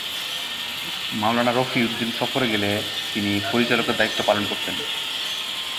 মাওলানা রফি উদ্দিন সফরে গেলে তিনি পরিচালকের দায়িত্ব পালন করতেন।